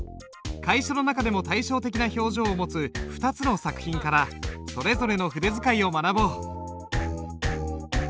楷書の中でも対照的な表情を持つ２つの作品からそれぞれの筆使いを学ぼう。